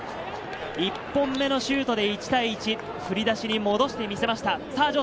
１本目のシュートで１対１、振り出しに戻してみせました。